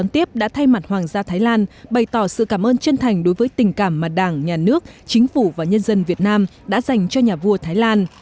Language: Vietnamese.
tiếp đã thay mặt hoàng gia thái lan bày tỏ sự cảm ơn chân thành đối với tình cảm mà đảng nhà nước chính phủ và nhân dân việt nam đã dành cho nhà vua thái lan